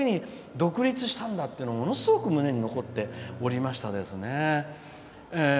独立したんだっていうのがものすごく記憶に残っておりましたですね。